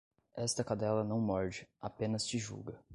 Esta cadela não morde, apenas te julga